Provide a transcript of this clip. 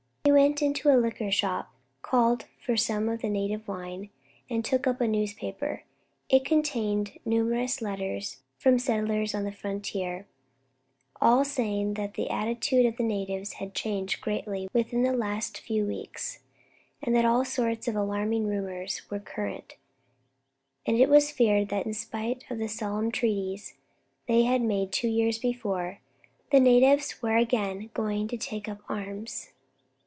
He went into a liquor shop, called for some of the native wine, and took up a newspaper. It contained numerous letters from settlers on the frontier, all saying that the attitude of the natives had changed greatly within the last few weeks, and that all sorts of alarming rumours were current, and it was feared that in spite of the solemn treaties they had made two years before, the natives were again going to take up arms.